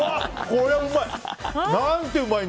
これはうまい！